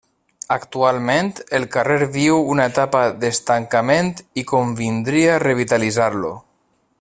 Actualment el carrer viu una etapa d'estancament i convindria revitalitzar-lo.